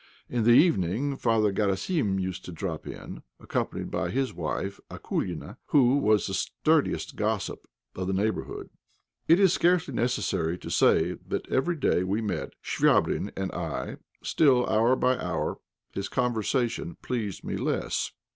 In the evening, Father Garasim used to drop in, accompanied by his wife, Akoulina, who was the sturdiest gossip of the neighbourhood. It is scarcely necessary to say that every day we met, Chvabrine and I. Still hour by hour his conversation pleased me less.